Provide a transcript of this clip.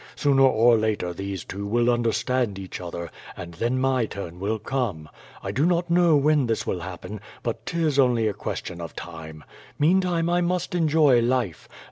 Sooner or later these two will understand each other and then my turn will come. I do not know when this will happen, but His only a question of time. Meantime I must enjoy life.